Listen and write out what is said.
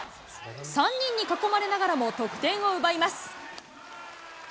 ３人に囲まれながらも、得点を奪います。